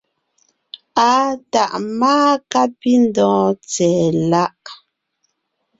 Àa tàʼ máa kápindɔ̀ɔn tsɛ̀ɛ láʼ.